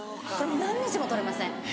何日も取れません。